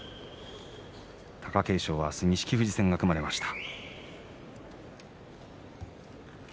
貴景勝、明日錦富士戦が組まれました。